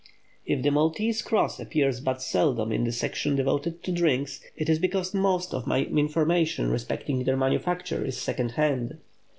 If the Maltese cross appears but seldom in the section devoted to drinks, it is because most of my information respecting their manufacture is second hand.